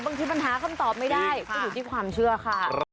บางทีมันหาคำตอบไม่ได้ก็อยู่ที่ความเชื่อค่ะ